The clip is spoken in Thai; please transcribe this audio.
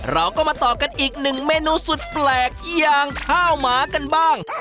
เราก็มาต่อกันอีกหนึ่งเมนูสุดแปลกอย่างข้าวหมากันบ้าง